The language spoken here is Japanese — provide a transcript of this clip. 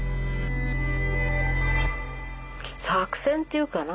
作戦っていうかな